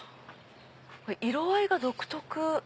色合いが独特！